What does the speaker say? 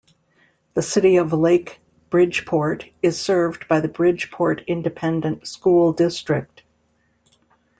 The City of Lake Bridgeport is served by the Bridgeport Independent School District.